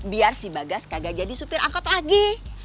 biar si bagas kagak jadi supir angkot lagi